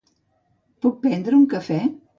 Puc prendre un cafè?